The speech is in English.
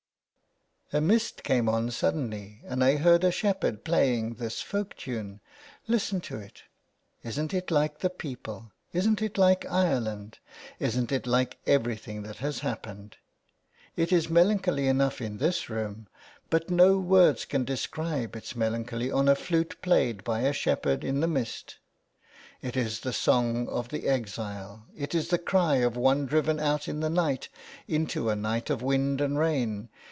"A mist came on suddenly, and I heard a shepherd playing this folk tune. Listen to it. Isn't it like the people ? Isn't it like Ireland ? Isn't it like everything that has happened ? It is melancholy enough in this room, but no words can describe its melancholy on a flute played by a shepherd in the mist. It is the song of the exile; it is the cry of one driven out in the night — into a night of wind and rain.